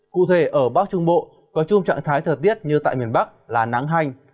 cụ thể ở bắc trung bộ có chung trạng thái thời tiết như tại miền bắc là nắng hanh